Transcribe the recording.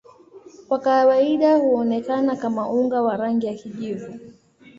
Kwa kawaida huonekana kama unga wa rangi ya kijivu.